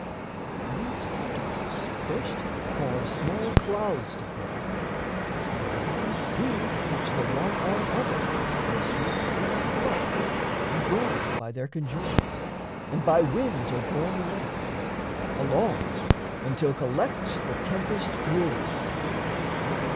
These particles First cause small clouds to form; and, thereupon, These catch the one on other and swarm in a flock And grow by their conjoining, and by winds Are borne along, along, until collects The tempest fury.